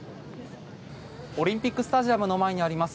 オリンピックスタジアムの前にあります